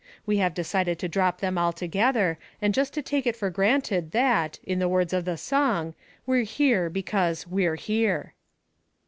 We have decided to drop them altogether, and just to take it for granted that, in the words of the song, we're here because we're here."